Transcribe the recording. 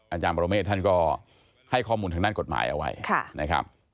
อาจารย์ปรเมฆท่านก็ให้ข้อมูลทางด้านกฎหมายเอาไว้นะครับ